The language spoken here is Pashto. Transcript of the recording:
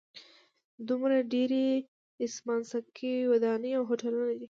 دومره ډېرې اسمانڅکي ودانۍ او هوټلونه دي.